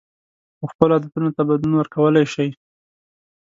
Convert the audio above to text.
خو خپلو عادتونو ته بدلون ورکولی شئ.